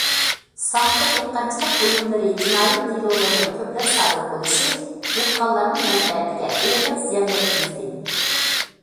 ساختا دېھقانچىلىق بۇيۇملىرى جىنايى دېلولىرىنىڭ كۆپلەپ سادىر بولۇشى دېھقانلارنىڭ مەنپەئەتىگە ئېغىر زىيان يەتكۈزدى.